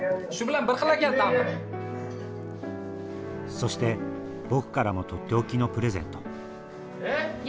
そして僕からも取って置きのプレゼントえ？